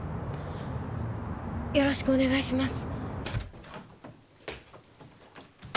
よろしくお願いします。